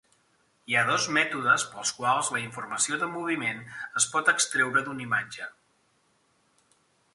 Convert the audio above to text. Hi ha dos mètodes pels quals la informació de moviment es pot extreure d'una imatge.